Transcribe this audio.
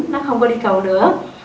nó không có đi cầu nữa